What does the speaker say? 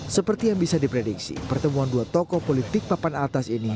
seperti yang bisa diprediksi pertemuan dua tokoh politik papan atas ini